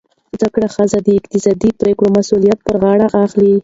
زده کړه ښځه د اقتصادي پریکړو مسؤلیت پر غاړه اخلي.